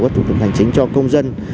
cái thủ tục hành chính cho công dân